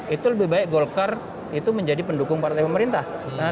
itu lebih baik golkar itu menjadi pendukung partai pemerintah